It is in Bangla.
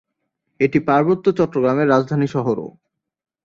এটি পার্বত্য চট্টগ্রামের রাজধানী শহরও।